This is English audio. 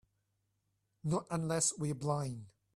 Not unless we're blind.